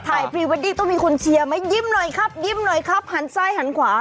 พรีเวดดิ้งต้องมีคนเชียร์ไหมยิ้มหน่อยครับยิ้มหน่อยครับหันซ้ายหันขวา